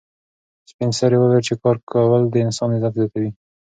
سپین سرې وویل چې کار کول د انسان عزت زیاتوي.